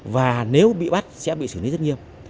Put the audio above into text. và nếu bị bắt sẽ bị xử lý rất nghiêm